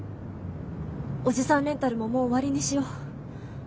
おじさんレンタルももう終わりにしよう。